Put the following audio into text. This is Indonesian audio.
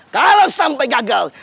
kalau sampai gagal